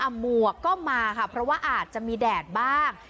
หมวกก็มาค่ะเพราะว่าอาจจะมีแดดบ้าง